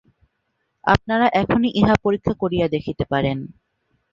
আপনারা এখনই ইহা পরীক্ষা করিয়া দেখিতে পারেন।